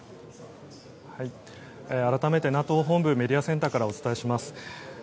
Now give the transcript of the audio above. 改めてＮＡＴＯ本部メディアセンターからお伝えします。